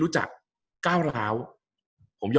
กับการสตรีมเมอร์หรือการทำอะไรอย่างเงี้ย